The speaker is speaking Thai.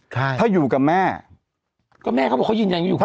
ใช่ถ้าอยู่กับแม่ก็แม่เขาบอกเขายืนยันอยู่เขา